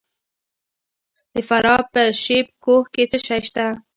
د فراه په شیب کوه کې څه شی شته؟